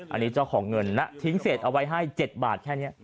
อันนี้เจ้าของเงินทิ้งเสร็จเอาไว้ให้๗บาท